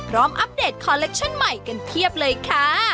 พร้อมอัปเดตคอลเล็กชันใหม่กันเทียบเลยค่ะ